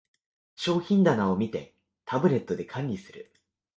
商品棚を見て、タブレットで管理する